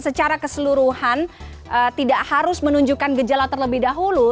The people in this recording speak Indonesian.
secara keseluruhan tidak harus menunjukkan gejala terlebih dahulu